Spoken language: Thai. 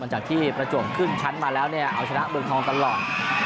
จากประจวบขึ้นชั้นมาแล้วเนี่ยเอาชนะเมืองทองตลอด